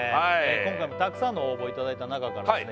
今回もたくさんの応募いただいた中からですね